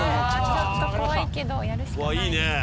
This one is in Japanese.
ちょっと怖いけどやるしかない。